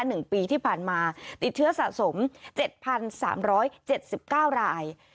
หนึ่งปีที่ผ่านมาติดเชื้อสะสมเจ็ดพันสามร้อยเจ็ดสิบเก้าราย